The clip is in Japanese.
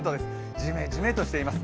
ジメジメとしています。